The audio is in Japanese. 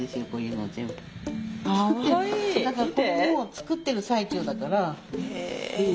だからこれも作ってる最中だから。